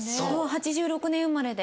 ８６年生まれで。